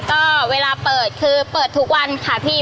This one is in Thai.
ก็เวลาเปิดคือเปิดทุกวันค่ะพี่